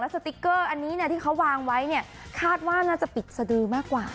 สติ๊กเกอร์อันนี้ที่เขาวางไว้เนี่ยคาดว่าน่าจะปิดสดือมากกว่า